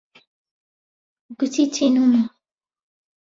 گوتی تینوومە.